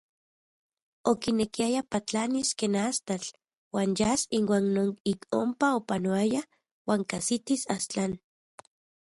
Okinekiaya patlanis ken astatl uan yas inuan non ik onpa opanoayaj uan kajsitis Astlan.